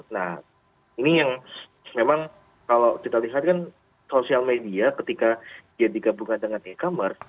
nah ini yang memang kalau kita lihat kan sosial media ketika dia digabungkan dengan e commerce